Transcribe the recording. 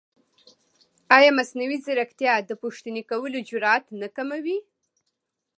ایا مصنوعي ځیرکتیا د پوښتنې کولو جرئت نه کموي؟